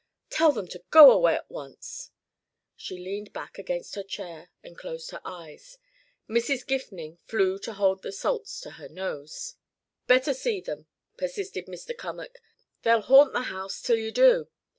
"Tell them to go away at once." She leaned back against her chair and closed her eyes. Mrs. Gifning flew to hold the salts to her nose. "Better see them," persisted Mr. Cummack. "They'll haunt the house till you do.